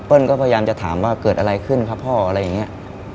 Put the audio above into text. ก็พยายามจะถามว่าเกิดอะไรขึ้นครับพ่ออะไรอย่างนี้